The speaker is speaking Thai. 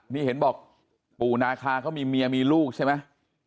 นี่เห็นบอกปู่นาคาเขามีเมียมีลูกใช่ไหม